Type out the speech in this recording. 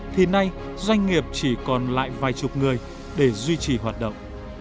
thì nay doanh nghiệp chỉ còn lại vài chục người để duy trì hoạt động